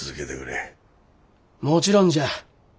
もちろんじゃ。